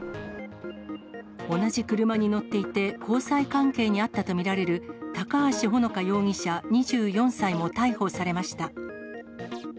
同じ車に乗っていて、交際関係にあったと見られる高橋萌華容疑者２４歳も逮捕されました。